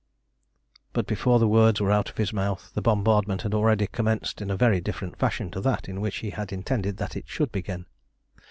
But before the words were out of his mouth, the bombardment had already commenced in a very different fashion to that in which he had intended that it should begin.